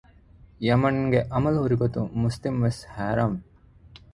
ޔަމަންގެ އަމަލު ހުރިގޮތުން މުސްލިމް ވެސް ހައިރާން ވި